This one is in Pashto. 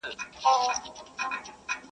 پرون یې شپه وه نن یې شپه ده ورځ په خوا نه لري-